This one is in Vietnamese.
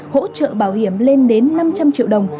hỗ trợ bảo hiểm lên đến năm trăm linh triệu đồng